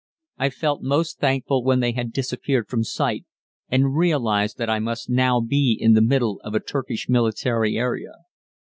I felt most thankful when they had disappeared from sight, and realized that I must now be in the middle of a Turkish military area.